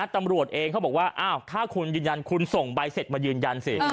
ตำรวจเองเขาบอกว่าอ้าวถ้าคุณยืนยันคุณส่งใบเสร็จมายืนยันสิ